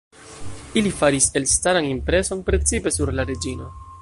Ili faris elstaran impreson, precipe sur la reĝino.